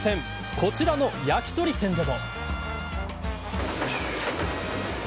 こちらの焼き鳥店でも。